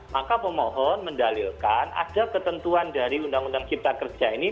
maka pemohon mendalilkan ada ketentuan dari undang undang cipta kerja ini